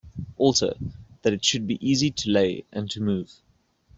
Also that it should be easy to lay and to move.